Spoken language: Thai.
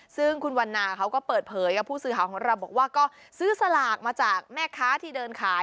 ซึ่งคุณวันนาเขาก็เปิดเผยกับผู้สื่อข่าวของเราบอกว่าก็ซื้อสลากมาจากแม่ค้าที่เดินขาย